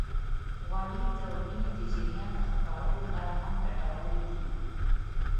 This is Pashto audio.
غوړې د وینې د جريان د ښه کولو لپاره هم ګټورې دي.